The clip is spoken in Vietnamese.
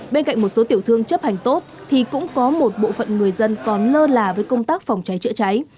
bên cạnh một số tiểu thương chấp hành tốt thì cũng có một bộ phận người dân còn lơ là với công tác phòng cháy chữa cháy